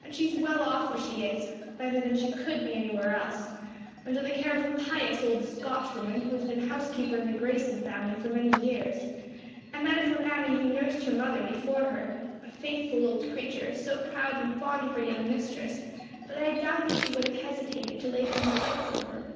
And she is well off where she is; better than she could be anywhere else; under the care of a pious old Scotch woman who has been house keeper in the Grayson family for many years, and that of her mammy who nursed her mother before her: a faithful old creature so proud and fond of her young mistress that I doubt if she would have hesitated to lay down her life for her."